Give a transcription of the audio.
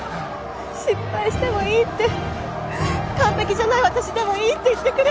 失敗してもいいって完璧じゃない私でもいいって言ってくれた。